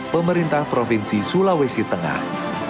pemerintah provinsi sulawesi tengah